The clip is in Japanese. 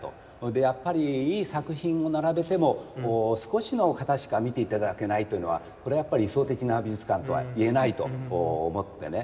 やっぱりいい作品を並べても少しの方しか見ていただけないというのはこれやっぱり理想的な美術館とはいえないと思ってね。